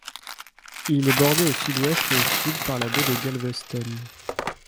Il est bordé au sud-ouest et au sud par la baie de Galveston.